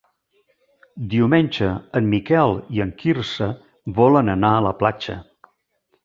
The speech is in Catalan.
Diumenge en Miquel i en Quirze volen anar a la platja.